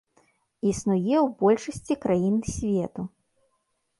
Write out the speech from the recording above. Існуе ў большасці краін свету.